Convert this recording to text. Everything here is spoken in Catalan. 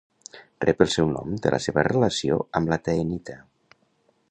Rep el seu nom de la seva relació amb la taenita.